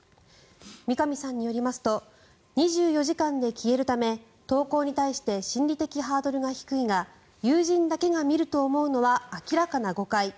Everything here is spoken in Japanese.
三上さんによりますと２４時間で消えるため投稿に対して心理的ハードルが低いが友人だけが見ると思うのは明らかな誤解。